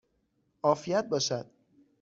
عافیت باشد!